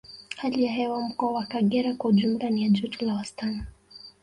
Hali ya hewa ya Mkoa wa Kagera kwa ujumla ni ya joto la wastani